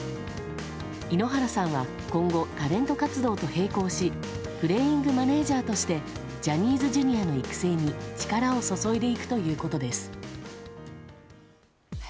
井ノ原さんは今後タレント活動と並行しプレイングマネージャーとしてジャニーズＪｒ．の育成に力を注いでいくということです。